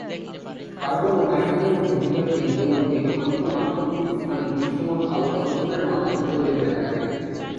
Carbon এবং nitrogen ঘটিত এই যৌগটি আন্তঃনাক্ষত্রিক স্থানে দৃশ্যমান আলোর শোষণের মাধ্যমে তৈরি হয়ে থাকে।